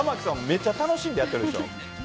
めっちゃ楽しんでやってるでしょ。